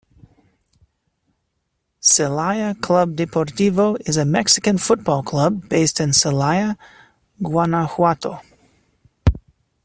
Celaya Club Deportivo is a Mexican football club based in Celaya, Guanajuato.